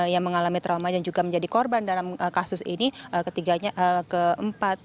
yang mengalami trauma dan juga menjadi korban dalam kasus ini ketiganya keempat